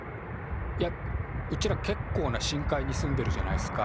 いやうちらけっこうな深海に住んでるじゃないっすか？